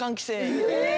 え！？